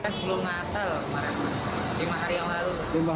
sebelum matal lima hari yang lalu